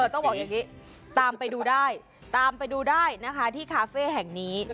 ต้องบอกอย่างนี้ตามไปดูได้ตามไปดูได้นะคะที่คาเฟ่แห่งนี้